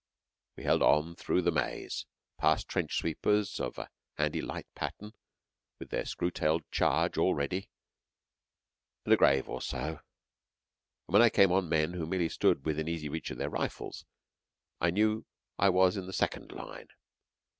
We held on through the maze, past trench sweepers of a handy light pattern, with their screw tailed charge all ready; and a grave or so; and when I came on men who merely stood within easy reach of their rifles, I knew I was in the second line.